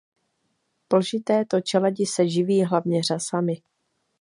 Plži této čeledi se živí hlavně řasami.